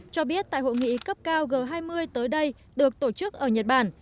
cho biết tại hội nghị cấp cao g hai mươi tới đây được tổ chức ở nhật bản